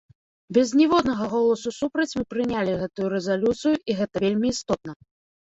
Без ніводнага голасу супраць мы прынялі гэту рэзалюцыю і гэта вельмі істотна.